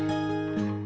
akang mau kemana